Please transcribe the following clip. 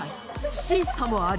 審査もあり！